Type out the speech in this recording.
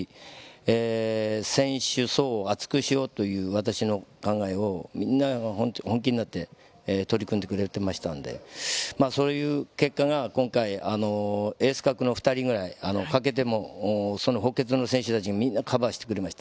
選手たちが本当に今年、選手層を厚くしようという私の考えを本気になって取り組んでくれていましたのでその結果が今回、エース格の２人くらい欠けても補欠の選手たちがみんなカバーしてくれました。